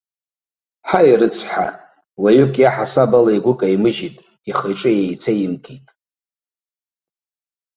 Ҳаи, рыцҳа, уаҩык иаҳасаб ала игәы каимыжьит, ихы-иҿы еицаимкит.